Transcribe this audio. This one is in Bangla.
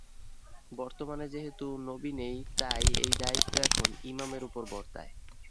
বর্তমানে যেহেতু নবি নেই, তাই এই দায়িত্ব এখন ইমামের ওপর বর্তায়।